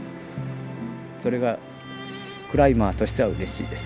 それがクライマーとしてはうれしいです。